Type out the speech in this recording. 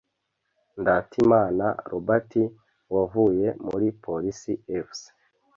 Ndatimana Robert wavuye muri Police Fc